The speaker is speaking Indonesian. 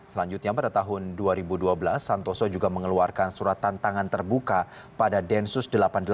selanjutnya pada tahun dua ribu dua belas santoso juga mengeluarkan surat tantangan terbuka pada densus delapan puluh delapan